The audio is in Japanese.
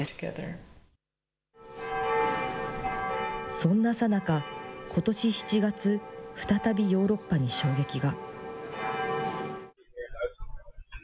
そんなさなか、ことし７月、再びヨーロッパに衝撃が。